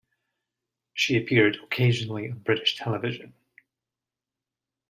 She appeared occasionally on British television.